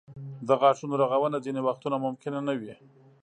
د غاښونو رغونه ځینې وختونه ممکنه نه وي.